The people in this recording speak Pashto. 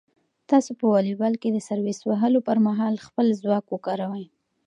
تاسو په واليبال کې د سرویس وهلو پر مهال خپل ځواک وکاروئ.